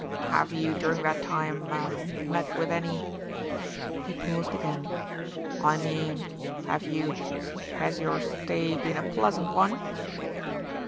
"Have you during that time, er met with any ?" He paused again. "I mean, have you has your stay been a pleasant one?"